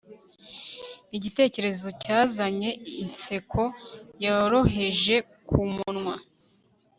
igitekerezo cyazanye inseko yoroheje kumunwa